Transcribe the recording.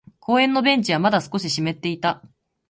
公園のベンチはまだ少し湿っていた。